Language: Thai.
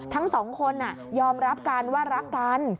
ทั้งสองคนยอมรับกันว่ารักกัน